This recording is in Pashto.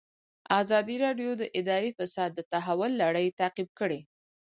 ازادي راډیو د اداري فساد د تحول لړۍ تعقیب کړې.